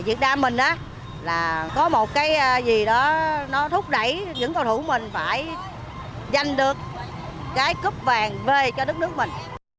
việt nam mình á là có một cái gì đó nó thúc đẩy những cầu thủ mình phải giành được cái cúp vàng v cho đất nước mình